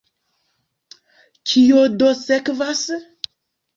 Kio do sekvas?